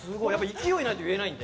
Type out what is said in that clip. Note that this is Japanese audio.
勢いがないと言えないんで。